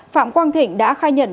phạm quang thịnh đã khai nhận